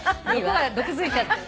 毒づいちゃってる。